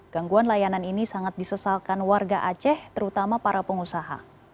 gangguan layanan ini sangat disesalkan warga aceh terutama para pengusaha